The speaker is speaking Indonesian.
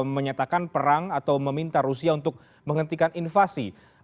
menyatakan perang atau meminta rusia untuk menghentikan invasi